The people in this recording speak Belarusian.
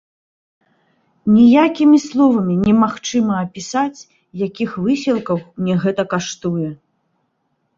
Ніякімі словамі немагчыма апісаць, якіх высілкаў мне гэта каштуе.